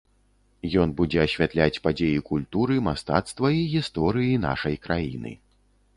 Ён будзе асвятляць падзеі культуры, мастацтва і гісторыі нашай краіны.